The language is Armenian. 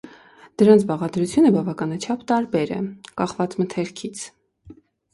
Դրանց բաղադրությունը բավականաչափ տարբեր է՝ կախված մթերքից։